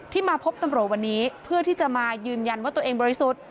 มาพบตำรวจวันนี้เพื่อที่จะมายืนยันว่าตัวเองบริสุทธิ์